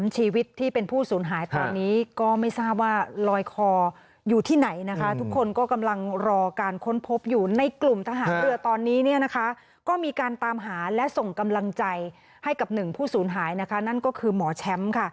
ชีวิตที่เป็นผู้สูญหายตอนนี้ก็ไม่ทราบว่าลอยคออยู่ที่ไหนนะคะทุกคนก็กำลังรอการค้นพบอยู่ในกลุ่มทหารเรือตอนนี้เนี่ยนะคะก็มีการตามหาและส่งกำลังใจให้กับหนึ่งผู้สูญหายนะคะนั่นก็คือหมอแชมป์ค่ะ